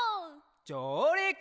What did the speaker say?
じょうりく！